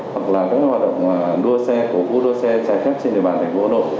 hoặc là các hoạt động đua xe cổ vũ đua xe trái phép trên địa bàn thành phố hà nội